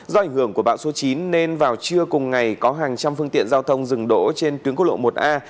do ảnh hưởng của bão số chín nên vào trưa cùng ngày có hàng trăm phương tiện giao thông dừng đỗ trên tuyến quốc lộ một a